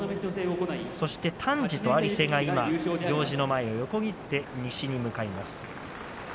丹治と有瀬が行司の前を横切って西に向かいました。